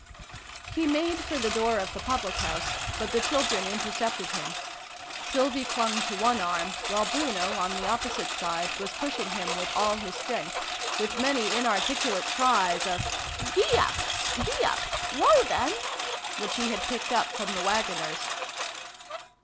HE made for the door of the public house, but the children intercepted him. Sylvie clang to one arm ; while Bruno, on the opposite side, was pushing him with all his strength, with many inarticulate cries of " Gee up ! Gee back ! Woah then !" which he had picked up from the waggoners.